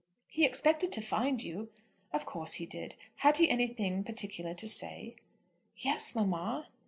"He expected to find you." "Of course he did. Had he anything particular to say!" "Yes, mamma."